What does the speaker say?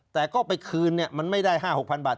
แต่ก็ไปคืนมันไม่ได้ห้าหกพันบาท